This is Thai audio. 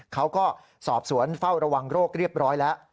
เขาก็สอบสวนเฝ้าระวังโรคเรียบร้อยแล้ว